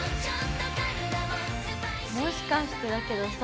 もしかしてだけどさ。